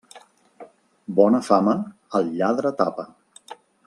Bona fama, al lladre tapa.